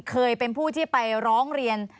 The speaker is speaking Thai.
เคยเป็นผู้ที่ไปร้องเรียน